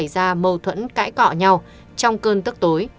tâm sự chưa lâu